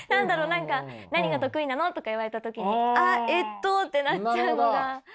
何か何が得意なの？とか言われた時にあえっとってなっちゃうのが。